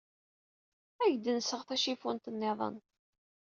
Ad ak-d-nseɣ tacifuft niḍen.